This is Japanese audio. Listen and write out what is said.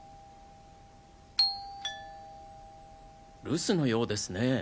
留守のようですね。